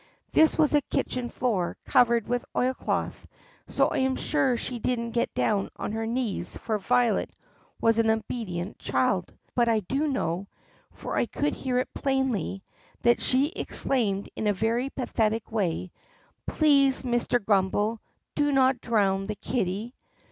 This was a kitchen floor, covered with oilcloth, so I am sure she did n't get down on her knees, for Violet was an obedient child. But I do know — for I could hear it plainly — that she exclaimed in a very pathetic way, "Please, Mr. Grummbel, do not drown the kitty!"